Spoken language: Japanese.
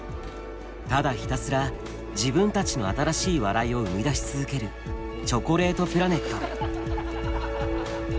ただひたすら自分たちの新しい笑いを生み出し続けるチョコレートプラネット。